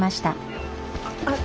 あっ！